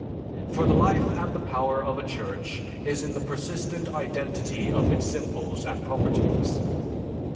For the life and the power of a church is in the persistent identity of its symbols and properties.